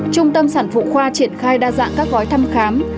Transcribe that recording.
trung tâm sản phụ khoa triển khai đa dạng các gói thăm khám